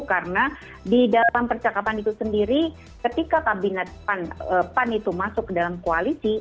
karena di dalam percakapan itu sendiri ketika kabinet pan itu masuk ke dalam koalisi